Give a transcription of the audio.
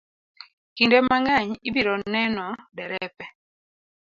Kinde mang'eny, ibiro neno derepe